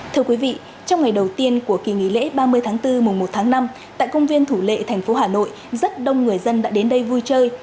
thưa quý vị trong ngày đầu tiên của kỳ nghỉ lễ ba mươi tháng bốn mùa một tháng năm tại công viên thủ lệ thành phố hà nội rất đông người dân đã đến đây vui chơi